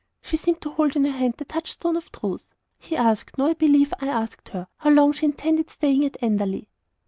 She seemed to hold in her hand the touchstone of truth. He asked no, I believe I asked her, how long she intended staying at Enderley?